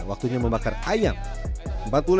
makanya kita harus memakar ayam